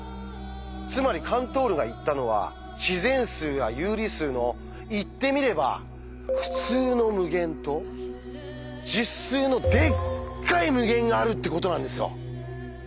つまりカントールが言ったのは自然数や有理数の言ってみれば「ふつうの無限」と実数の「でっかい無限」があるってことなんですよ。